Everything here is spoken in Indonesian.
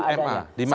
itu sampai di ma